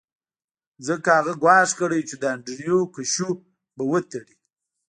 ځکه هغه ګواښ کړی و چې د انډریو کشو به وتړي